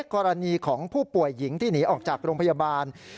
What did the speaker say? กรณีของผู้ป่วยหญิงที่หนีออกจากโรงพยาบาล